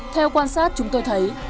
theo quan sát chúng tôi thấy